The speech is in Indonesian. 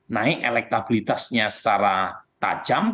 naik elektabilitasnya secara tajam